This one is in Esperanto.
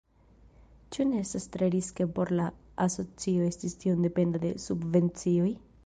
Ĉu ne estas tre riske por la asocio esti tiom dependa de subvencioj?